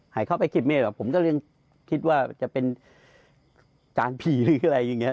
หายเข้าไปเก็บเมฆหรอกผมก็ยังคิดว่าจะเป็นจานผีหรืออะไรอย่างนี้